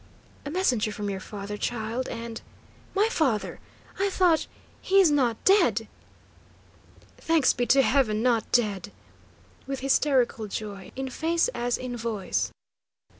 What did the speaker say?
"A messenger from your father, child, and " "My father? I thought he is not not dead?" "Thanks be to heaven, not dead!" with hysterical joy in face as in voice.